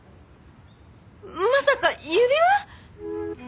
まさか指輪！？